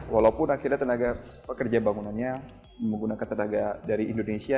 walaupun akhirnya tenaga pekerja bangunannya menggunakan tenaga dari indonesia